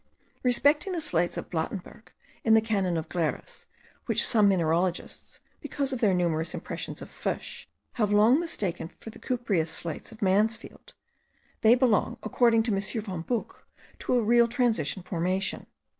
Respecting the slates of Blattenberg, in the canton of Glaris which some mineralogists, because of their numerous impressions of fish, have long mistaken for the cupreous slates of Mansfeld, they belong, according to M. von Buch, to a real transition formation.